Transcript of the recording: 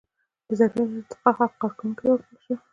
د ظرفیت ارتقا حق کارکوونکي ته ورکړل شوی.